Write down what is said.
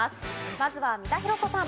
まずは三田寛子さん。